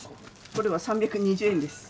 これは３２０円です。